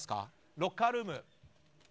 ロッカールーム。